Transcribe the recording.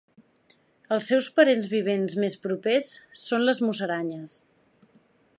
Els seus parents vivents més propers són les musaranyes.